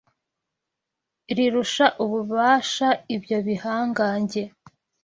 rirusha ububasha ibyo bihangange